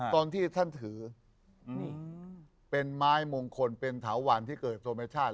ตอนที่ท่านถือเป็นไม้มงคลเป็นเถาวันที่เกิดธรรมชาติ